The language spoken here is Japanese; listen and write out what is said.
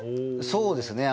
そうですね。